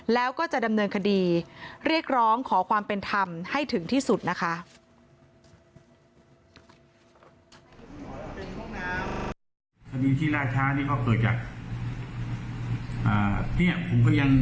แล้วก็จะดำเนินคดีเรียกร้องขอความเป็นธรรมให้ถึงที่สุดนะคะ